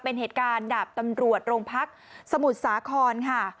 เป็นเหตุการณ์ดาบตำรวจโรงพักสมุทรสาครค่ะ